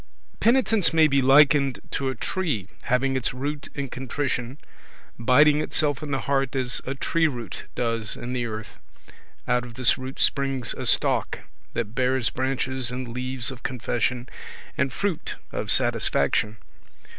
Penitence may be likened to a tree, having its root in contrition, biding itself in the heart as a tree root does in the earth; out of this root springs a stalk, that bears branches and leaves of confession, and fruit of satisfaction.